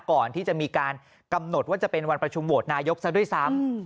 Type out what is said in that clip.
ก่อนที่จะมีการกำหนดว่าจะเป็นวันประชุมโหวตนายกซะด้วยซ้ำ